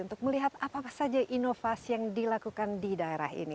untuk melihat apa saja inovasi yang dilakukan di daerah ini